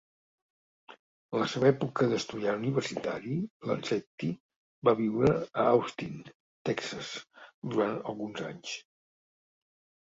En la seva època d'estudiant universitari, Lanzetti va viure a Austin, Texas durant alguns anys.